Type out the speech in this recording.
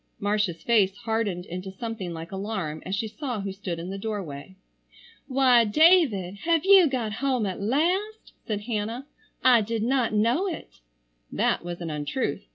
Marcia's face hardened into something like alarm as she saw who stood in the doorway. "Why, David, have you got home at last?" said Hannah. "I did not know it." That was an untruth.